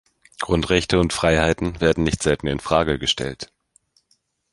Grundrechte und -freiheiten werden nicht selten in Frage gestellt.